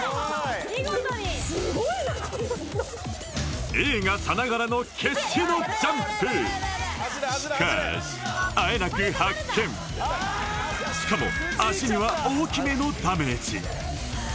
見事に映画さながらの決死のジャンプしかーしあえなく発見しかも足には大きめのダメージ